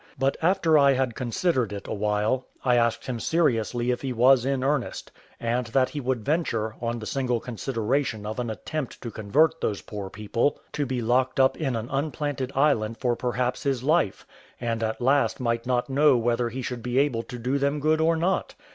But after I had considered it a while, I asked him seriously if he was in earnest, and that he would venture, on the single consideration of an attempt to convert those poor people, to be locked up in an unplanted island for perhaps his life, and at last might not know whether he should be able to do them good or not?